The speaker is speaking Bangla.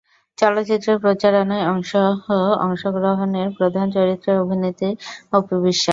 চলচ্চিত্রের প্রচারণায় অংশ অংশগ্রহণ এর প্রধান চরিত্রের অভিনেত্রী অপু বিশ্বাস।